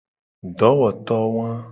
Dowoto wa.